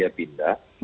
dia sudah pindah